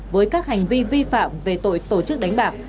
với các hành vi vi phạm về tội tổ chức đánh bạc